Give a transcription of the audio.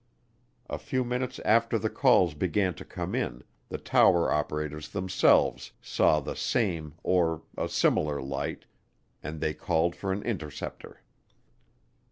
A few minutes after the calls began to come in, the tower operators themselves saw the same or a similar light and they called for an interceptor.